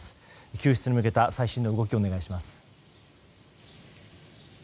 救出に向けた最新の動きをお願いします。